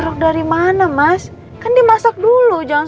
truk dari mana mas kan dimasak dulu jangan